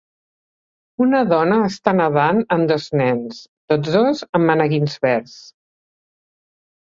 Una dona està nedant amb dos nens, tots dos amb maneguins verds.